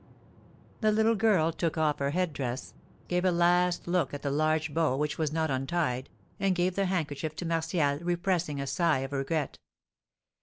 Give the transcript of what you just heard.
The little girl took off her head dress, gave a last look at the large bow, which was not untied, and gave the handkerchief to Martial, repressing a sigh of regret.